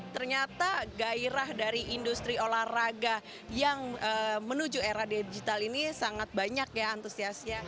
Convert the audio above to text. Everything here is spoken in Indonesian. ternyata gairah dari industri olahraga yang menuju era digital ini sangat banyak ya antusiasnya